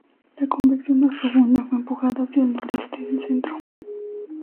La convección más profunda fue empujada hacia el noreste del centro.